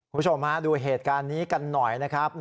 คุณผู้ชมฮะดูเหตุการณ์นี้กันหน่อยนะครับ